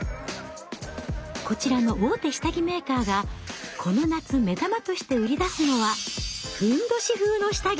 こちらの大手下着メーカーがこの夏目玉として売り出すのは褌風の下着。